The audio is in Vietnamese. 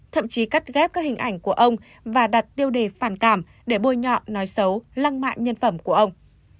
thậm chí cắt ghép các hình ảnh của ông và đặt tiêu đề phản cảm để bôi nhọ nói xấu lăng mạn nhân phẩm của ông